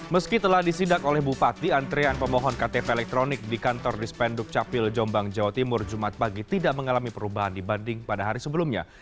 meski telah disidak oleh bupati antrean pemohon ktp elektronik di kantor dispenduk capil jombang jawa timur jumat pagi tidak mengalami perubahan dibanding pada hari sebelumnya